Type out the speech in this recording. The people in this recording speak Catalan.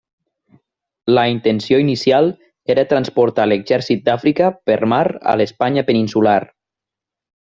La intenció inicial era transportar l'Exèrcit d'Àfrica per mar a l'Espanya peninsular.